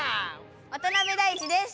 渡辺大馳です。